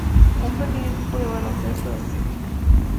Un pequeño equipo de baloncesto en St.